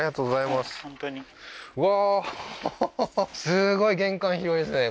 すごい玄関広いですね